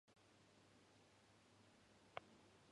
隊員達は記録でしかこの町のことを知らなかった。